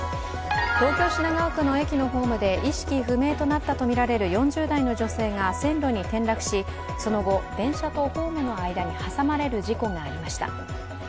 東京・品川区の駅のホームで意識不明となったとみられる４０代の女性が線路に転落し、その後、電車とホームの間に挟まれる事故がありました。